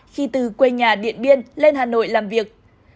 khi từ quê nhà điện biên lên hà nội làm việc